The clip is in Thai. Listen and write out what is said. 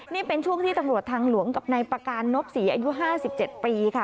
นี่เป็นช่วงที่ตำรวจทางหลวงกับนายประการนบศรีอายุ๕๗ปีค่ะ